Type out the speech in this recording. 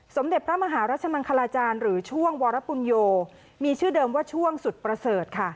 สมเด็จพระมหารัชมังคลาจารย์หรือช่วงวรปุญโยมีชื่อเดิมว่าช่วงสุดประเสริฐค่ะ